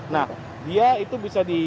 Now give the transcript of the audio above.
nah dia itu bisa di